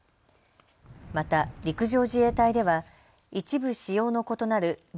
また陸上自衛隊では一部仕様の異なるＶ２２